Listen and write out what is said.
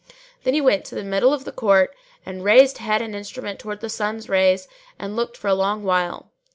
Then he went to the middle of the court and raised head and instrument towards the sun's rays and looked for a long while.